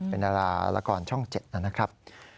เป็นดาราละครช่อง๗นะครับ